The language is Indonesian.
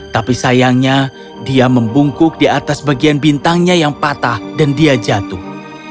tapi sayangnya dia membungkuk di atas bagian bintangnya yang patah dan dia jatuh